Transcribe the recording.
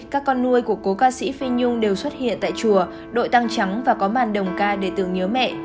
các con nuôi của cố ca sĩ phê nhung đều xuất hiện tại chùa đội tăng trắng và có màn đồng ca để tưởng nhớ mẹ